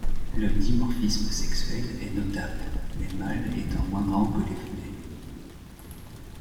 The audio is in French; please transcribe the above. Le dimorphisme sexuel est notable, les mâles étant moins grands que les femelles.